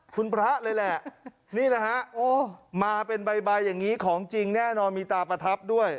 คุณพระเลยแหละนี่แหละฮะมาเป็นใบอย่างนี้ของจริงแน่นอนมีตาประทับด้วย